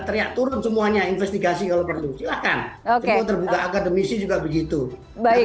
teriak turun semuanya investigasi kalau perlu silakan cukup terbuka akademisi juga begitu baik